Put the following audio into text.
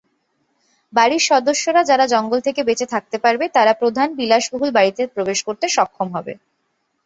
বাড়ির সদস্যরা, যারা জঙ্গল থেকে বেঁচে থাকতে পারবে, তারা প্রধান বিলাসবহুল বাড়িতে প্রবেশ করতে সক্ষম হবে।